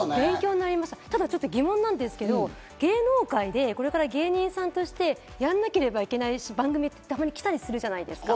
ただ疑問なんですが、芸能界でこれから芸人さんとしてやらなければいけない番組とか来たりするじゃないですか。